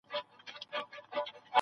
ما د انګلیسي ژبي په اړه یو کورس بشپړ کړ.